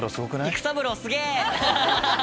育三郎すげぇ！